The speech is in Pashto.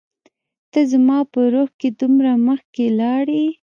ته زما په روح کي دومره مخکي لاړ يي